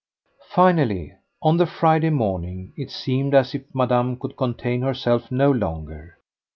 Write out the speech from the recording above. Finally, on the Friday morning it seemed as if Madame could contain herself no longer.